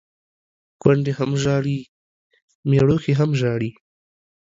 کونډي هم ژاړي ، مړوښې هم ژاړي.